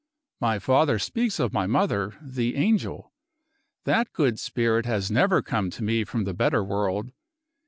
My father speaks of my mother, the angel. That good spirit has never come to me from the better world.